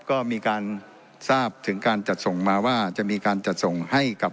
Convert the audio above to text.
ก็มีการทราบถึงการจัดส่งมาว่าจะมีการจัดส่งให้กับ